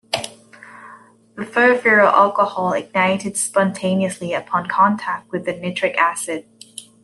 The furfuryl alcohol ignited spontaneously upon contact with the nitric acid.